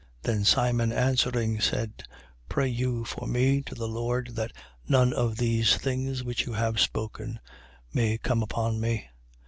8:24. Then Simon answering, said: Pray you for me to the Lord that none of these things which you have spoken may come upon me.